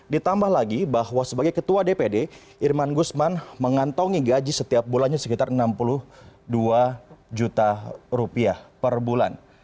ditambah lagi bahwa sebagai ketua dpd irman guzman mengantongi gaji setiap bulannya sekitar enam puluh juta